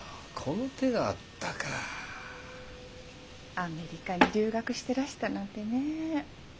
アメリカに留学してらしたなんてねえ。